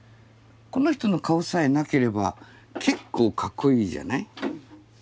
この人の顔さえなければ結構かっこいいじゃない。